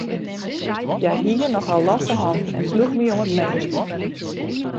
Hja hie nochal losse hannen en sloech my om it minste.